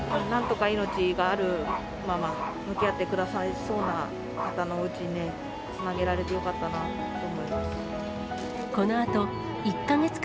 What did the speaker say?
なんとか命があるまま、向き合ってくださりそうな方のおうちにね、つなげられて、よかったなと思いますね。